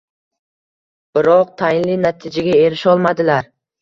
Biroq tayinli natijaga erisholmadilar